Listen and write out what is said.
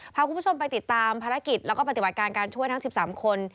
พาคุณผู้ชมไปติดตามภารกิจแล้วก็ปฏิบัติการการช่วยทั้ง๑๓คน